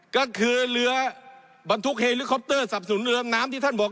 ก็คือเรือบรรทุกเฮลิคอปเตอร์สับสนเรืองน้ำที่ท่านบอก